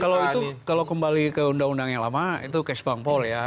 kalau itu kalau kembali ke undang undang yang lama itu kes bang pol ya